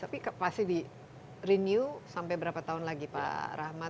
tapi pasti di renew sampai berapa tahun lagi pak rahmat